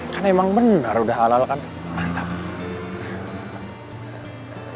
kan emang benar udah halal kan matang